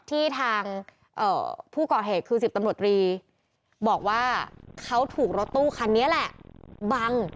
ที่ทางผู้ก่อเหตุคือ๑๐ตำรวจรีบอกว่าเขาถูกรถตู้คันนี้แหละบัง